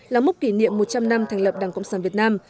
là múc kỷ niệm một trăm linh năm thành lập đảng cộng sản việt nam